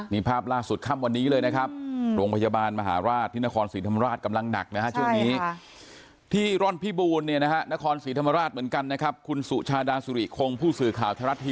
นี่ภาพล่าสุดข้ำวันนี้เลยนะครับโรงพยาบาลมหาราชที่นครศรีธรรมราชกำลังหนักนะฮะ